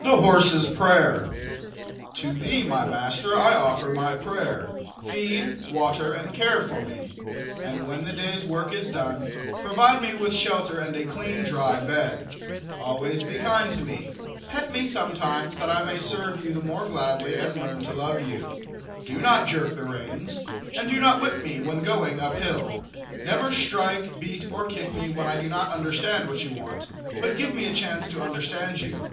THE HORSE'S PRAYER. To thee, my master, I offer my prayer: Feed, water and care for me; and when the day's work is done, provide me with shelter and a clean, dry bed. Always be kind to me. Pet me sometimes, that I may serve you the more gladly and learn to love you. Do not jerk the reins, and do not whip me when going up hill. Never strike, beat or kick me when I do not understand what you want, but give me a chance to understand you.